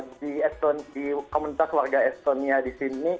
di komunitas warga estonia di sini